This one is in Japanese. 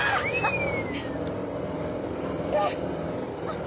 あっ！